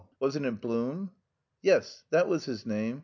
_" "Wasn't it Blum?" "Yes, that was his name.